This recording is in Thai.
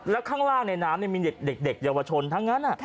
แล้วข้างล่างในน้ำมีเด็กเยาวชนทั้งนั้น